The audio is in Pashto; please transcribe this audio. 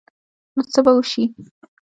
نو څه به وشي ؟